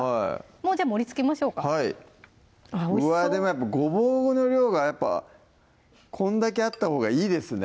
もうじゃあ盛りつけましょうかおいしそうでもやっぱごぼうの量がやっぱこんだけあったほうがいいですね